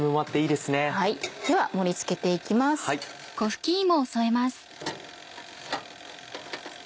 では盛り付けて行きます。